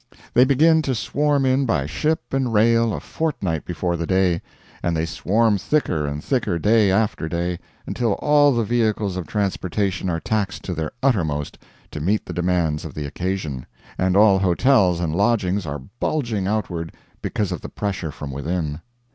They begin to swarm in by ship and rail a fortnight before the day, and they swarm thicker and thicker day after day, until all the vehicles of transportation are taxed to their uttermost to meet the demands of the occasion, and all hotels and lodgings are bulging outward because of the pressure from within.